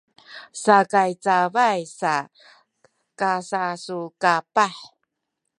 sakay cabay sa kasasukapah